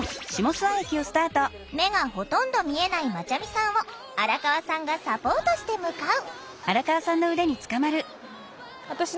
目がほとんど見えないまちゃみさんを荒川さんがサポートして向かう。